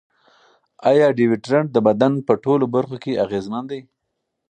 ایا ډیوډرنټ د بدن په ټولو برخو کې اغېزمن دی؟